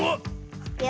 いくよ。